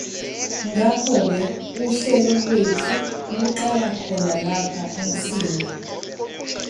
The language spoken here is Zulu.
Ngakho-ke uhlelo lwethu luqala khona lapha eMsinga.